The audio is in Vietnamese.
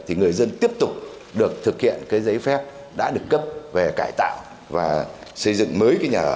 thì người dân tiếp tục được thực hiện cái giấy phép đã được cấp về cải tạo và xây dựng mới cái nhà ở